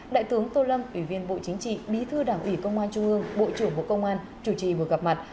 đại tướng tô lâm ủy viên bộ chính trị bí thư đảng ủy công an trung ương bộ trưởng bộ công an chủ trì buổi gặp mặt